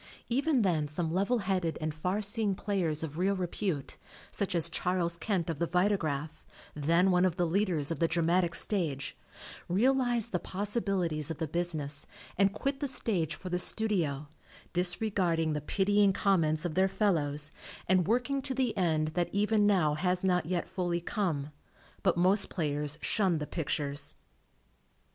Even then some level headed and far see ing players of real repute, such as Charles Kent, of the Vitagraph, then one of the leaders of the dramatic stage, realized the possibilities of the business and quit the stage for the studio, disregarding the pitying comments of their fellows and working to the end that even now has not yet fully come, but most players shunned the pictures.